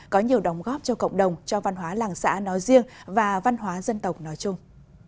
có nhiều đóng góp cho cộng đồng cho văn hóa làng xã nói riêng và văn hóa dân tộc nói chung